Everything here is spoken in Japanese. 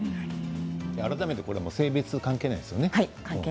改めて性別は関係ないんですよね？